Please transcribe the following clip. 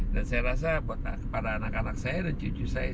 dan saya rasa buat kepada anak anak saya dan cucu saya